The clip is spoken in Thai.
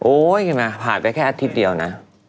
โอ้ยเห็นมั้ยผ่านไปแค่อาทิตย์เดียวนะ